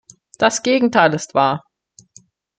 Das Gegenteil ist wahr!